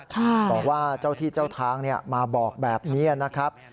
บอกว่าเจ้าที่เจ้าทางมาบอกแบบนี้นะครับ